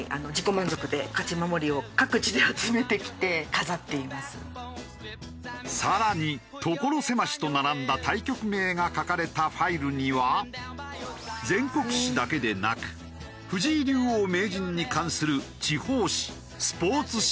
ここはいつもさらに所狭しと並んだ対局名が書かれたファイルには全国紙だけでなく藤井竜王・名人に関する地方紙スポーツ紙も。